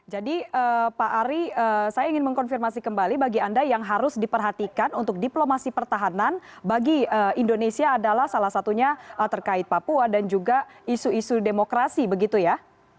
jadi pak ari saya ingin mengkonfirmasi kembali bagi anda yang harus diperhatikan untuk diplomasi pertahanan bagi indonesia adalah salah satunya terkait papua dan juga isu isu demokrasi begitu ya